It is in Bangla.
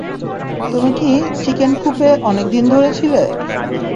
তুমি কি চিকেন কুপে অনেকদিন ধরে ছিলে?